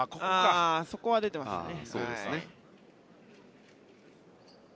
そこは出てますね。